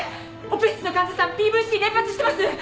オペ室の患者さんＰＶＣ連発してます。